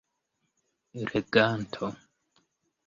leganto